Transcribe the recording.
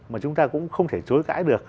mà chúng ta cũng không thể chối cãi được